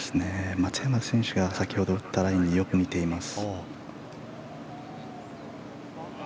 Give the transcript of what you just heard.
松山選手が先ほど打ったラインによく似ています。